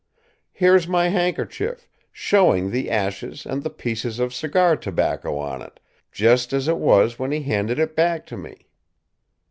"Here's my handkerchief, showing the ashes and the pieces of cigar tobacco on it, just as it was when he handed it back to me."